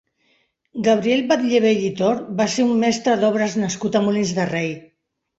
Gabriel Batllevell i Tort va ser un mestre d'obres nascut a Molins de Rei.